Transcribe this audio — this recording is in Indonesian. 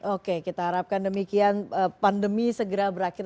oke kita harapkan demikian pandemi segera berakhir